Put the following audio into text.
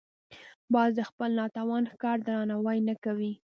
باز د خپل ناتوان ښکار درناوی نه کوي